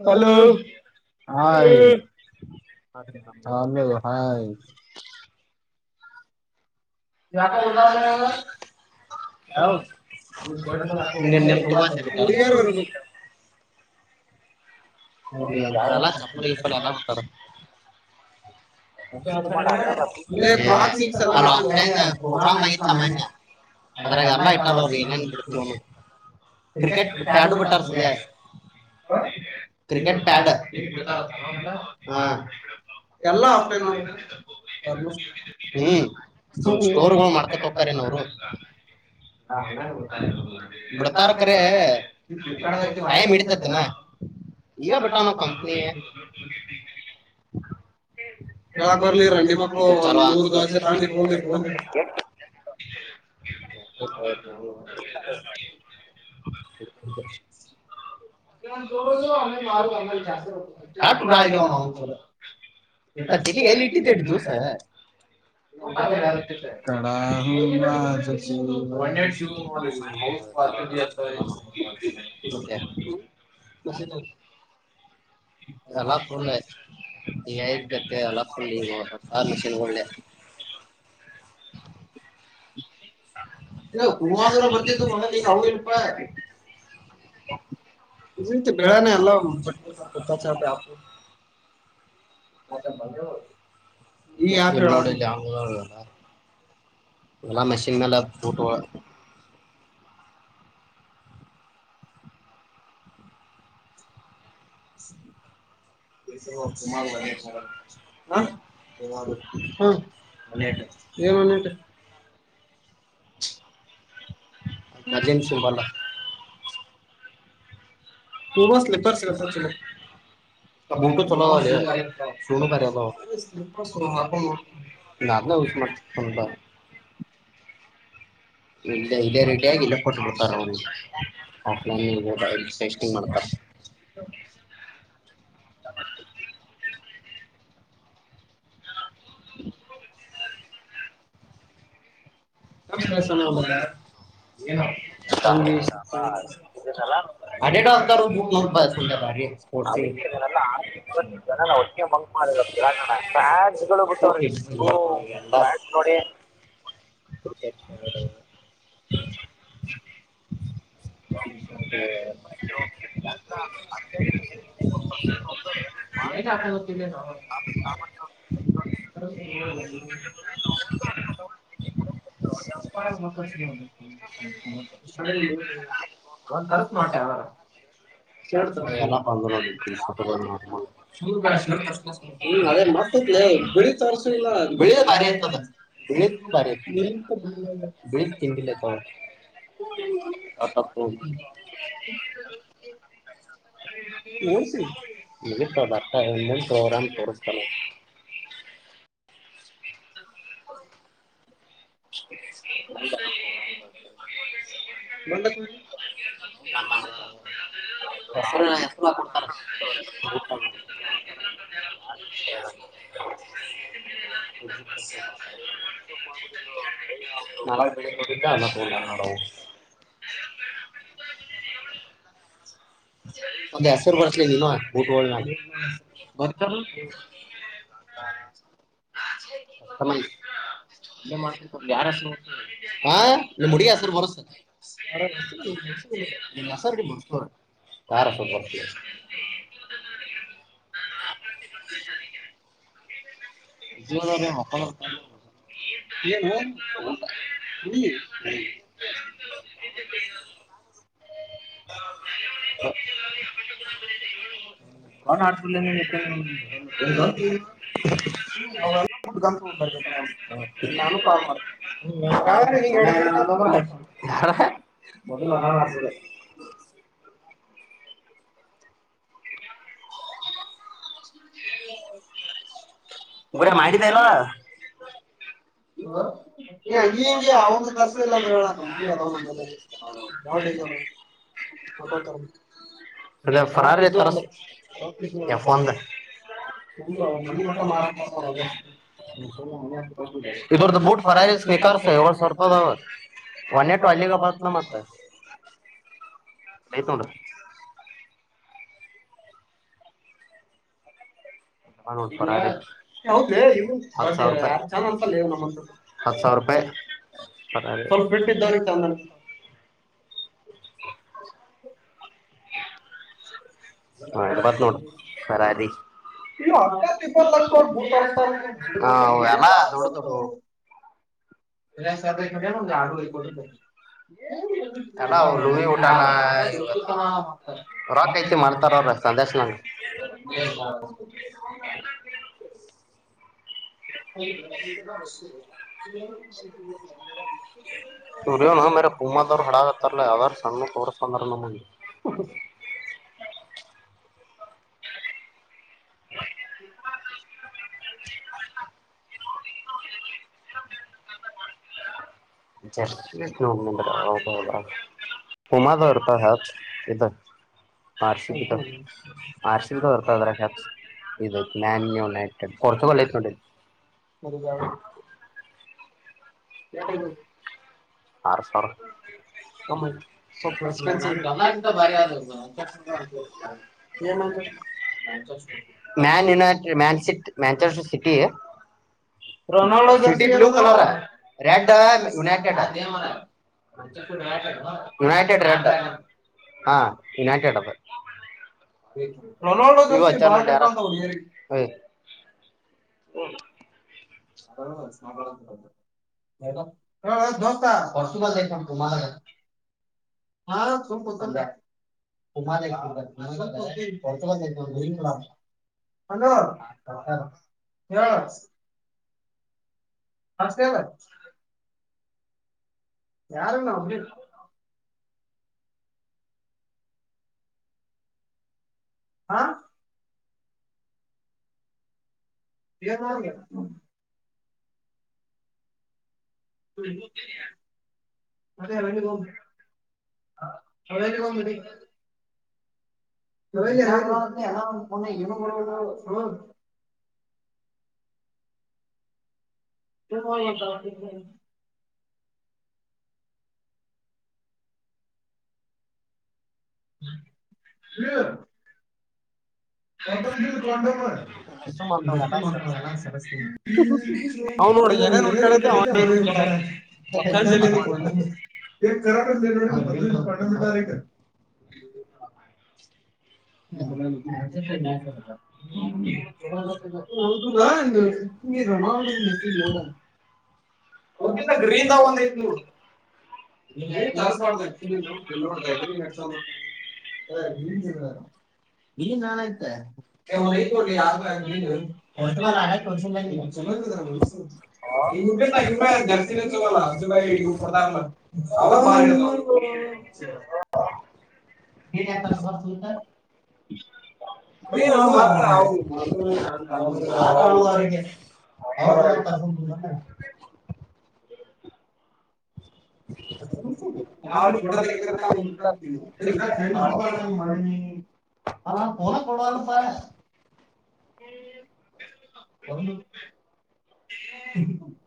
Hello ಹ್ ಹ ಹ ಉದ ಶರ್ ಚಪ್ಪಲ್ [inaudible] ಒಳ್ಳ ಅಲ್ಲಾ ಚಪ್ಪರೆ ವಿಪ್ಪಲ ಎಲ್ಲ ಬಿಟ್ಟರ ಆಫ್ಲೈನ್ ಪ್ರೋಗ್ರಾಮ್ ಆಯ ಆಗಿತ್ಲ ಮ ಮಾನ್ಯ ಅದ್ರಾಗ ಅದ್ರಾಗಲ್ಲ ಎಲ್ಲಾ ಆತ ಇಟ್ಟಾರ ಅವ್ರ ಏನೇನ್ ಬಿಡ್ತೀವ ಕ್ರಿಕೆಟ್ ಪ್ಯಾಡು ಆಡ್ಬಿಟ್ಟ ಬಿಟ್ಟಾರ ಸಂಧ್ಯಾ ಕ್ರಿಕೆಟ್ ಹ ಎಲ್ಲ ್ಮ ಹ್ಮ್ ಸುಮ್ ಸ್ಟೋರ್ಗಳು ಮಾಡ ಮಾಡ್ಕೊತ ಹೋಗ್ತಾರೇನ ಅವ್ರು ಹೋಗತಾರೆ ಬಿಡ್ತಾರ ಕರೆ ಮೃತ್ರೆಾಯ ಟೈಮ್ ಬೀಳ್ತನಾ ಹಿಡಿತೈತನ ಇ ಈಗ ಬಿಟ್ಟ ನಾವ್ ಕಂಪ್ನಿ ಹೇಳಕ್ ಬರ್ಲಿ ಹೆಂಡಿ ಮಕ್ಕಳು ಮೂರು ದೋಸೆ ದಸೆ ತಂದು ಇಟ್ಕೊಂಡು ಇಟ್ಕೊಂಡು ತ ಹ ಅ ಚ ಚ ಅವತಇ ಕಾಟು ಡಾಳ್ದೇವ ನಾವು ತಲಿಗೆ ಎಲ್ಲಿ ಇಟ್ಟಿದ್ದೆ ಇಟ್ಟು ದಿವಸ [inaudible] [inaudible] ಹಾಗ ಬಸ ಎಲ್ಲ ಫುಲ್ಲ ಈ ಇದ್ದಕ್ಕೆ ಎಲ್ಲ ಫುಲ್ ಆ ಷನ್ ಒಳ್ಳೆ [inaudible] ಹೂಮಂದರು ಬರ್ಲಿದ್ದು ಮೊ ನೀಗ ಅವನಪ ಹ ಬೇಳ ನ ಅಲ್ಲ ಬತ್ತ ಆದೆ ಬ ಈ ಯತ್ ಚಂಗಲ್ಲ ಎಲ್ಲ ಮೆಷಿನ್ ಮೇಲೆ ಟ ು ಮಾಡ ಒ ಮಾಡ ಏನು ಒ ಮಜೆನ್ಸಿ ಬಲ ತ ತುಂಬಾ ಸ್ಲಿಪರ್ ಸ್ ಚ ಸ್ಲಿಪರ್ಸ್ ಬೂಟು ಚಲ ಸ ಸ್ಲಿಪರ್ಸ್ ಬ ನಾ ಯಸ್ ಮಾಡತ ಇ ಇದೇ ರೀಟಿಯಾಗಿ ಇಲ್ಲ ಕೊಟ್ಟಬಿಡ್ತಾರ ಅವಲ ಮಾಡ್ತಾರ [inaudible] ನಮಕಾರ ಒಟ್ಟಿಗೆ ಮಂ ಮಾಡ ಬಟ್ಟ್ರ ನೋಡಿ ಯಾಕೆ ಹಾಕೊಂಡು ಹೋಗ್ತಿಲ್ಲ ನಾವು ಾ ಹ ಒಂದ್ ತರ್ಸ ನೋಟ್ಟೆರ ಎಲ್ಲ ಬಂದು ನೋಡಿ ಫೋಟೋಗಳು ನಾರ್ಮಲ್ ಹ್ಮ್ ಅದೇ ಮತ್ತೈತ್ಲೆ ಬಿಳಿ ತೋರ್ಸಿಲ್ಲ ಬಿಳಿದ ಭಾರಿ ಬಿಳ ಪಿಂದೆ ಕ ಆ ತಪ್ಪು ಹೌ ತ ಪ್ರೋಗ್ರಾಮ್ ತೋರಿಸತಾರೆ ಎ ನ ಎಷ್ಟ ರೂ ಕೊಡ್ತಾರ ತಕ್ಷಣ ನಾಳ ಬೆಟ್ಟ ಅಲ್ಲ ತ ನಡ ಅ ಬಸರ ಬರ್ಷ ಲ ನ ಬೂಟ ವಳ ಬ ಹೆ ಮಾಡ ಹುಡುಗಿ ಹೆಸರು ಬರ್ಸ ನಿಮ್ ಹೆಸರು ಬರ್ಸ್ತಾರ ಹಾ ಯಾರ ಹೂ ಹೆಸರು ಬರ್ತೀವಿ ಮಳ ಅವ ನಾ ಹ್ಮ ಬಿಟ್ಟಿದ್ದವ್ರಿಗೆ ಮೊದ ಹ್ಮ ಉರೇ ಮಾಡಿದ್ದನ ಹಿಂಗೆ ಅವಂದು ತರ್ಸಿಲ್ಲ ಅಂತ ಹೇಳಕ್ ಅದೊಂದು ನೋಡಿ ಈಗ ತಗೋತಾರ ಅದೇ ಫರಾರಿ ತರಸ್ ಇ ಅ ಇದ್ರ್ದ ಬೂಟ್ ಫರ ಸ್ನಿಕರ್ಸ್ ಳ ಸರ್ತದ ಅವ ಒನ್ ಎ ಬ ಮತ್ತ ಐತ ನೋಡ ಹ ನೋಡ್ ಬರತಿ ಹೌದ್ ಲೆ ಹತ್ತು ಸಾವ ರೂಪಾಯಿ ಹತ್ತು ಸಾವಿರ ರೂಪಾಯಿ ಸ್ವಲ್ಪ್ ಗಿಡ್ಡಿ ಇದ್ದೋರಿಗೆ ಚಂದ ಅನಸ್ತವ [inaudible] ೈಬ ನೋಡುರ ಎಲ್ಲ ದೊಡ್ಡು ದೊಡ್ಡು [unintelligible] [unintelligible] ರ ಆ ಎಲ್ಲಾ ಲೂವಿ ಹೊಟ್ಟ ಊಟಾನ ಇವತ್ ರೊಕ್ಕ ಐತಿ ಮಾಡ್ತಾರ ಅವ್ರ [unintelligible] ಸಂದೇಶ್ ನಂಗ ಪ್ರೃ [unintelligible] ಹ ಬತ [unintelligible] ಇ [unintelligible] ಇುರಿ್ಯೋನ ಮೇರೆ ಪೂಮದವರು ಹಡಾಗತ್ತಾರಲ ಯಾವದಾರ ಸಣ್ಣ ತೋರ್ಸ್ಂದ್ರ ನಮ್ಮ [unintelligible] [inaudible] ಹ ಹ್ಮ ಹ್ಮ ಹ [inaudible] ನೋ [inaudible] ಹ [unintelligible] ಪುಮ ದವರ ಗೇ ಹಚ್ಚ [inaudible] ಆಾರ್ಸ ಆಾರ್ಸನ್ ತರ್ತ ಇ ನನ್ಯ ನಡ್ ಕೊರಚ ಕಳ್ಳ [unintelligible] [inaudible] ಹ [inaudible] ಂತ ಬದು ಮ್ಯಾನ್ ಯುನೈಟೆಡ್ ಮ್ಯಾನ್ ಸಿಟ್ Manchester City ರನಾಲ್ Ronaldo City blue colour [unintelligible] [inaudible] [unintelligible] [inaudible] red United United red ಹಾ ಯುನೈಟಡ್ ಅದು ರೊನಾಲ್ಡೋ ರೊನಾಲ್ಡೋಟ ಜೊತೆ ಬಾಳ ಟಕ್ಕ ಅಂತ ಹುಡುಗರಿಗೆ ಹಾ [unintelligible] [inaudible] [unintelligible] [inaudible] ವ [inaudible] ಪಸು ಐತ ತು ಹಾ ತ ತು ಗ ಹೇಳ [inaudible] ಹಚ್ತಿಲ್ಲ ಯಾರನ್ನ [inaudible] ಹಾ ಏನ್ [inaudible] ಮತ್ತ ಹೊ [inaudible] ಕ ಹ ಅಲ್ಲ ಇಏ ಮಾಡ [inaudible] [inaudible] ನೀ [inaudible] ಕ [inaudible] ಕ ಅವ್ ನೋಡಿ ಏನೇನ್ ಹುಡ್ಕ್ಯಾಡೈತಿ ಅವ [unintelligible] [unintelligible] [inaudible] ರನಾಲ್ಡಸ [unintelligible] ಹುಡ್ಕ್ಯಾಡ ಗ್ರೀನ್ ದಾಗ ದಾಗ್ ಒಂದ ಒಂದ್ ಐತಿ ನೋಡ ಗ್ರ ನಾನ ಯ ಕೆ ಸ ಪಡ್ದಾರ ಹ ಅವ ಬಾರಿ ಅದಾವ [unintelligible] ಏನ್ ಏನ್ ಮಾತ್ರ ಅವು ತ ಅವ [inaudible] ಯಾವನಿಗೆ ಫೋನ ಫೋಟೋ ತೆಗಿತಿರ್ತಾವ ಕೊಡವಲ್ಲ ಪಾ ಹ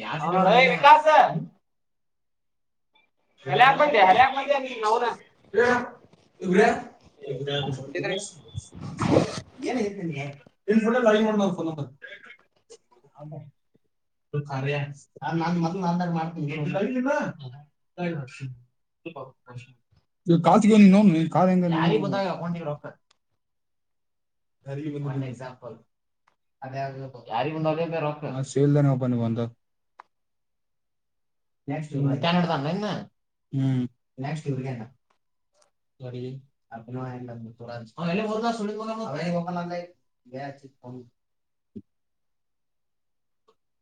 ಯ ಏ ವಿಕಾಸ್ [inaudible] ಕಲ್ಯಾಕ್ ಬಂದೆ ಹರ್ಯಾಕ್ ಬಂದೆ ನೀನ್ ಅವನ ಳ [inaudible] ಕ ಇದ್ರಿ [unintelligible] [unintelligible] ಯಾರಿಗೆ ಬಂದವ ಅಕೌಂಟ್ ಗೆ ರೊಕ್ಕಾ. ಡ [unintelligible] ಬಂದವ ಬಂದವ ನೆಕ್ಸ್ಟ್ ಇವರಿಗೆ ಮದ ಬ [inaudible]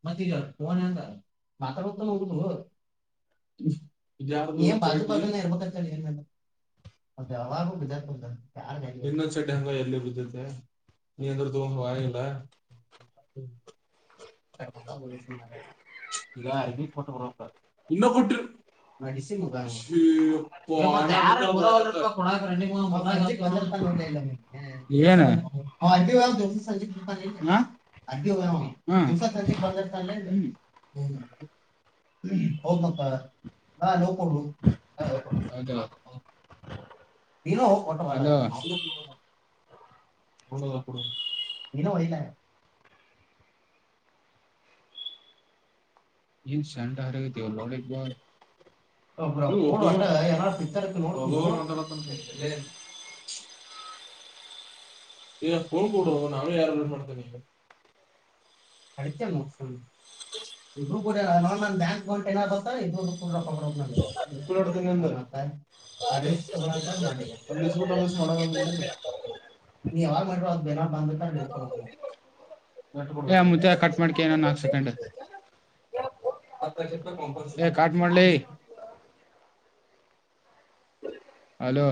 ಮತ್ತ ಮಾತಾಡ ಹೋಗ ಇೊಡ್ ಹಂಗ ಎಲ್ಲಿ ಬಿದ್ದುತ್ತ ನೀ ಎಂದ ತಗೊಂಡ ಹಿಲ್ಲ [inaudible] ಗ ಇ ಕೊಟ್ಟ ನ ಮುಗ ಅ [inaudible] ಹ ದಿವಸ ಸಂಜಿಕ್ ಬಂದಿರ್ತನ ಇಲ್ಲ [inaudible] ಹ್ಮ ಹೌದ ಮತ್ತ್ ನಾ ನೋಕೊಂಡು ನೀಟ ನೀನುಲ್ಲ [inaudible] ನಿನ್ ಹೋಗಿ ಕೊಟ್ಟ ಬಾ ಹೋಗೋದಿಲ ಕೊಡು ಹೋಗ ನೀ ನಿನ್ ವಯ್ಯಾಲ ಏನ್ ಶೆಂಟಾ ಅರ ಲಾವಡೇಕ ಬಾತ್ ನೋಡಿ ಪ ನೋ [inaudible] ಪಿಕ್ಚರ್ ಹಚ್ಕೊಂಡು ನೋಡ್ಕತ್ತೀನಿ. ಈಗ ಫೋನ್ ಕೊಡು ನಾವೇ ಯಾರು ಮಾಡ್ತೇನೆಗೆ [unintelligible] ಇಬ್ಬರು ನಲ್ ಬ್ಯಾಂಕ್ ಅಕೌಂಟ್ [inaudible] ಟ್ ಏನಾಗತ್ತ ತ್ತ ಮಾಡಬಟ್ಟ ಒಷ್ಟ ಮಾಡ ಬಂದು [unintelligible] ಮುತ್ತ್ಯಾ ಕಟ್ ಮಾಡಕ ಇನ್ ನಾಲ್ಕ ಸೆಕಂಡ್ ಕಟ್ ಮಾಡಲಿ [inaudible] ಹಲೋ